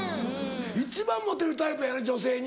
一番モテるタイプやな女性に。